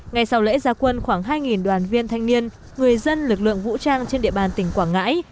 ngày sau lễ gia quân khoảng hai đoàn viên thanh niên người dân lực lượng vũ trang trên địa bàn tỉnh quảng ngãi